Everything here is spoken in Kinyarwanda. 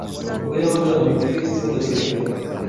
ubwo yabaga umukristu gatolika